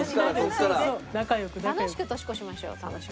楽しく年越しましょう楽しく。